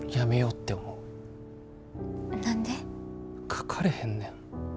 書かれへんねん。